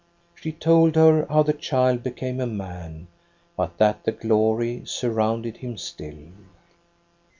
" She told her how the child became a man, but that the glory surrounded him still.